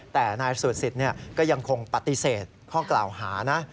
แต่นายสูจนสิทธิ์ก็ยังคงปฏิเสธข้อกล่าวหานะ